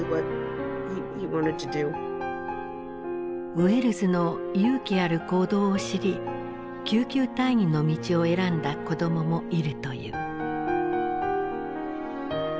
ウェルズの勇気ある行動を知り救急隊員の道を選んだ子どももいるという。